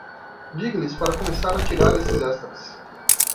Diga-lhes para começar a tirar esses extras.